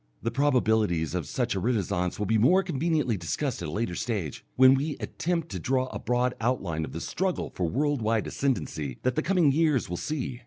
The probabilities of such a renascence will be more conveniently discussed at a later stage, when we attempt to draw the broad outline of the struggle for world wide ascendency that the coming years will see.